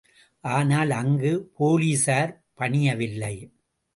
ஆனால் அங்கு போலிஸார் பணியவில்லை.